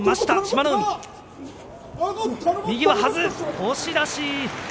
押し出し。